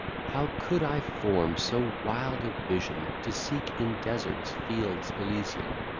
How could I form so wild a vision, To seek, in deserts, Fields Elysian?